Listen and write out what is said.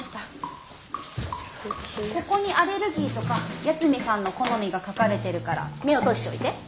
ここにアレルギーとか八海さんの好みが書かれてるから目を通しておいて。